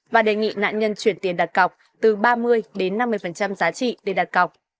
và đề nghị nạn nhân chuyển tiền đặt cọc từ ba mươi đến năm mươi giá trị để đặt cọc